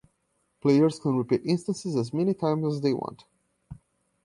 Players can repeat instances as many times as they want.